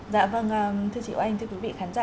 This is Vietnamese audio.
dạ vâng thưa chị oanh thưa quý vị khán giả